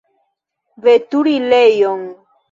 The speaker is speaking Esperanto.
Veturilejon.